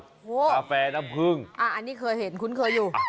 มะนาวคาเฟ่น้ำผึ้งอ่าอันนี้เคยเห็นคุ้นเคยอยู่อ่ะ